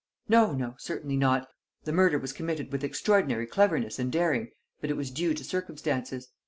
"No, no, certainly not! The murder was committed with extraordinary cleverness and daring, but it was due to circumstances.